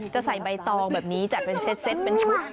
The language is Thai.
จะใส่ใบตองแบบนี้จัดเป็นเซ็ตเป็นชุด